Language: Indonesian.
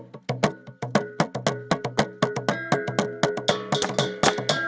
carpdid sosial selalu sering dititip